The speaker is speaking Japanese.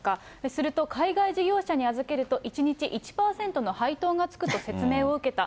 すると海外事業者に預けると１日１％の配当がつくと説明を受けた。